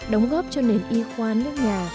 đóng góp cho nền y khoa nước nhà